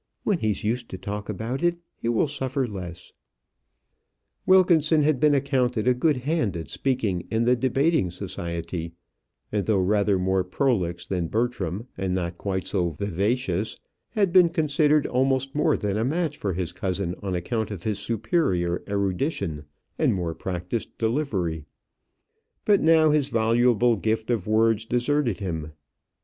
"When he's used to talk about it, he will suffer less." Wilkinson had been accounted a good hand at speaking in the debating society, and though rather more prolix than Bertram, and not quite so vivacious, had been considered almost more than a match for his cousin on account of his superior erudition and more practised delivery; but now his voluble gift of words deserted him.